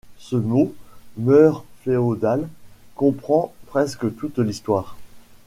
Ce mot, mœurs féodales, comprend presque toute l’histoire.